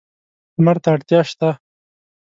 لمر ته اړتیا شته.